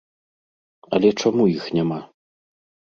Але чаму іх няма?